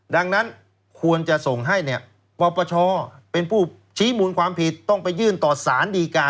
ดังนั้นควรจะส่งให้เนี่ยปปชเป็นผู้ชี้มูลความผิดต้องไปยื่นต่อสารดีกา